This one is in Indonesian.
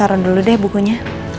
taruh dulu deh bukunya